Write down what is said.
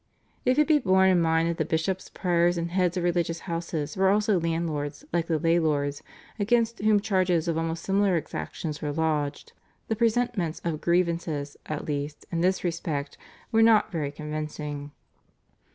If it be borne in mind that the bishops, priors, and heads of religious houses were also landlords like the lay lords, against whom charges of almost similar exactions were lodged, the presentments of grievances at least in this respect were not very convincing.